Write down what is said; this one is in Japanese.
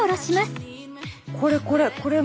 これこれ。